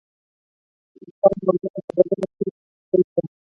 ښوونکی موضوع په ساده ژبه ټولو ته تشريح کړه.